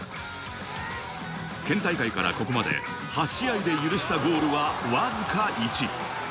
県大会からここまで８試合で許したゴールはわずか１。